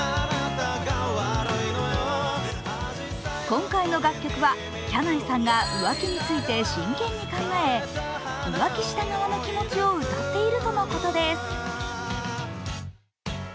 今回の楽曲は、きゃないさんが浮気について真剣に考え、浮気した側の気持ちを歌っているとのことです。